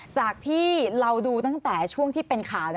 จากที่เราดูตั้งแต่ช่วงที่เป็นข่าว